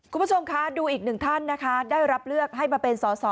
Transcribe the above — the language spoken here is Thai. คุณผู้ชมคะดูอีกหนึ่งท่านนะคะได้รับเลือกให้มาเป็นสอสอ